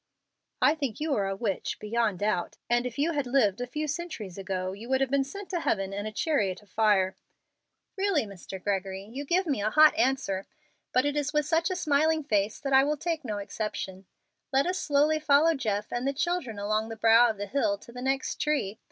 "I think you are a witch, beyond doubt, and if you had lived a few centuries ago, you would have been sent to heaven in a chariot of fire." "Really, Mr. Gregory, you give me a hot answer, but it is with such a smiling face that I will take no exception. Let us slowly follow Jeff and the children along the brow of the hill to the next tree.